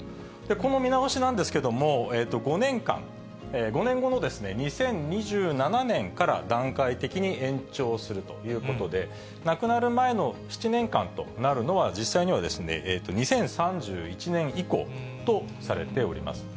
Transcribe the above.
この見直しなんですけれども、５年間、５年後の２０２７年から、段階的に延長するということで、亡くなる前の７年間となるのは、実際には２０３１年以降とされております。